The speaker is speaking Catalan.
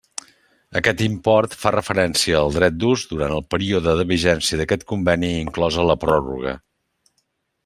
Aquest import fa referència al dret d'ús durant el període de vigència d'aquest conveni inclosa la pròrroga.